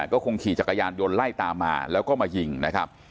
ก็คงขี่จักรยานยนต์ไล่ตามมาแล้วก็มายิงนะครับ